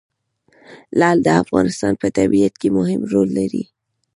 لعل د افغانستان په طبیعت کې مهم رول لري.